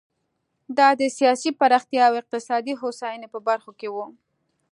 دا د سیاسي پراختیا او اقتصادي هوساینې په برخو کې و.